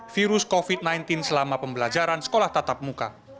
virus covid sembilan belas selama pembelajaran sekolah tatap muka